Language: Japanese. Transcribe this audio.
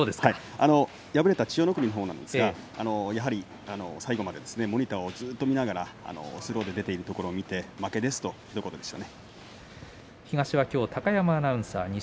敗れた千代の国のほうですがやはり最後までモニターをじっと見ながらスローで出ているところを見て負けですとひと言でした。